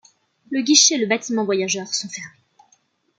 Le guichet et le bâtiment voyageurs sont fermés.